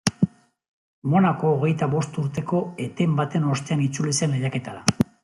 Monako hogeita bost urteko eten baten ostean itzuli zen lehiaketara.